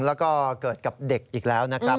แล้วก็เกิดกับเด็กอีกแล้วนะครับ